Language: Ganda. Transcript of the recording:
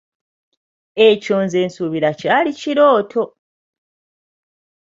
Ekyo nze suubira kyali kirooto.